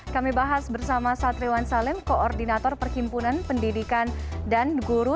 kami bahas bersama satriwan salim koordinator perkimpunan pendidikan dan guru